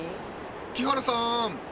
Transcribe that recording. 木原さーん！